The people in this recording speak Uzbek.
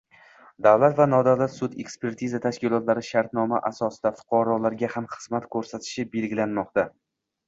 Davlat va nodavlat sud-ekspertiza tashkilotlari shartnoma asosida fuqarolarga ham xizmat ko‘rsatishi belgilanmoqda